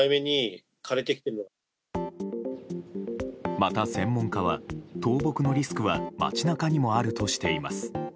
また、専門家は倒木のリスクは街中にもあるとしています。